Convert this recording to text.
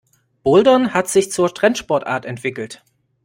Bouldern hat sich zur Trendsportart entwickelt.